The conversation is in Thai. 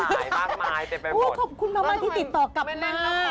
ขอบคุณผู้จัดเลยขอบคุณมากที่ติดต่อกลับมา